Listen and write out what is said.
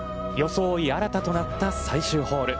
装いも新たとなった最終ホール。